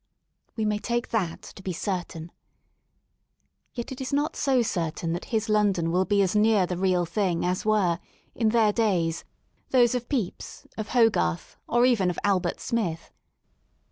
We may take that to be certain. Yet it is not so certain that his London will be as near the real thing as were, in their days, those of Pepys, of Hogarth^ or even of Albert Smith.